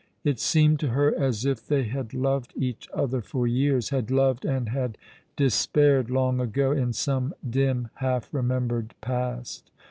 It seemed to her as if they had loved each other for years — had loved and had despaired long ago, in some dim half remembered past.